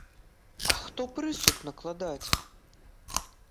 А хто прысуд накладаць?